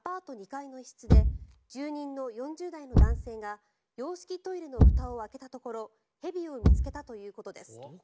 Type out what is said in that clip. ２階の一室で住人の４０代の男性が洋式トイレのふたを開けたところ蛇を見つけたということです。